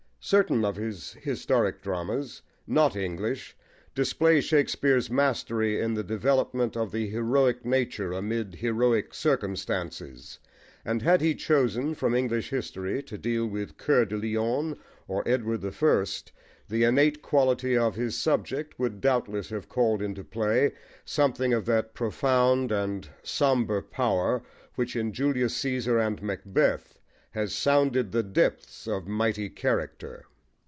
Certain of his historic dramas, not English, display Shakespeare's mastery in the development of the heroic nature amid heroic circumstances; and had he chosen, from English history, to deal with Coeur de Lion or Edward the First, the innate quality of his subject would doubtless have called into play something of that profound and sombre power which in Julius Caesar and Macbeth has sounded the depths of mighty character.